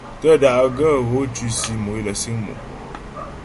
Tə́ da'gaə́ gho tʉsì mò é lə siŋ o.